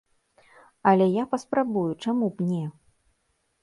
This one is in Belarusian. Але я паспрабую, чаму б не?!